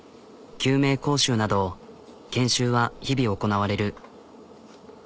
救命講習など研修は日々行なわれる。